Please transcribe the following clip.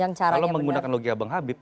kalau menggunakan logika bang habib